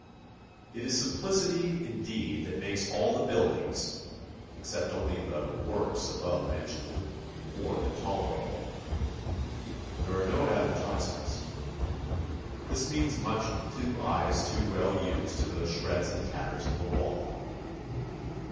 It is simplicity, indeed, that makes all the buildings (except only the 'works' above mentioned) more than tolerable. There are no advertisements. This means much to eyes too well used to those shreds and tatters of the wall.